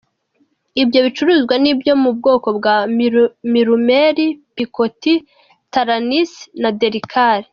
Ibyo bicururuzwa ni ibyo mu bwoko bwa Milumeli, Pikoti, Taranisi, Delikali.